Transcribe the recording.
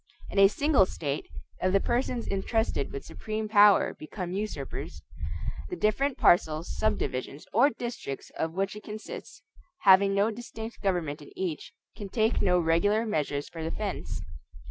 In a single state, if the persons intrusted with supreme power become usurpers, the different parcels, subdivisions, or districts of which it consists, having no distinct government in each, can take no regular measures for defense.